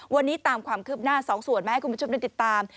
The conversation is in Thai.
วันนี้ตามความคืบหน้าสองส่วนมาให้คุณผู้ชมได้ติดตาม